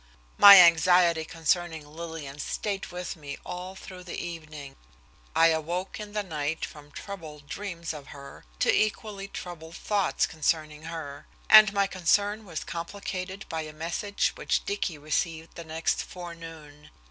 My anxiety concerning Lillian stayed with me all through the evening. I awoke in the night from troubled dreams of her to equally troubled thoughts concerning her. And my concern was complicated by a message which Dicky received the next forenoon.